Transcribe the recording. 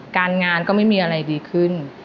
การงานก็ไม่มีอะไรดีขึ้น